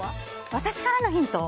私からのヒント？